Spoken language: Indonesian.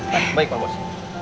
baik pak bos